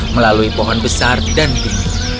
melalui pohon besar dan tinggi